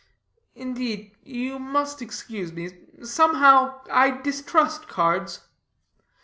"Indeed, you must excuse me. Somehow I distrust cards."